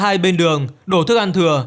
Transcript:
hai bên đường đổ thức ăn thừa